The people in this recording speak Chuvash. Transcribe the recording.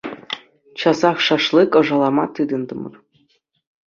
Часах шашлык ӑшалама тытӑнтӑмӑр.